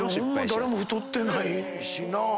誰も太ってないしなぁ。